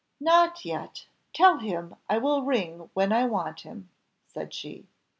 "Not yet; tell him I will ring when I want him," said she.